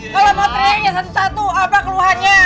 kalau mau tereanya satu satu apa keluhannya